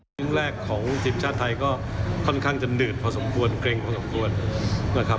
ครั้งแรกของทีมชาติไทยก็ค่อนข้างจะหนืดพอสมควรเกร็งพอสมควรนะครับ